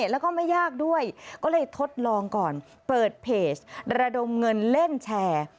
แล้วก็ไม่ยากด้วยก็เลยทดลองก่อนเปิดเพจระดมเงินเล่นแชร์